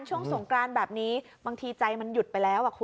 ช่วงสงกรานแบบนี้บางทีใจมันหยุดไปแล้วคุณ